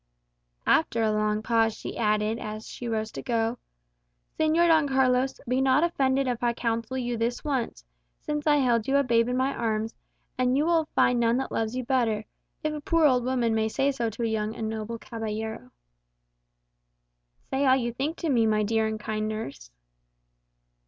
After a long pause she added, as she rose to go, "Señor Don Carlos, be not offended if I counsel you this once, since I held you a babe in my arms, and you will find none that loves you better if a poor old woman may say so to a young and noble caballero." "Say all you think to me, my dear and kind nurse."